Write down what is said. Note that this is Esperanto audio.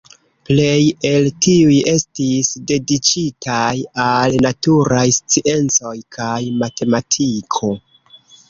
Plej el tiuj estis dediĉitaj al naturaj sciencoj kaj matematiko.